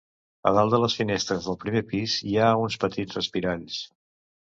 A dalt de les finestres del primer pis hi ha uns petits respiralls.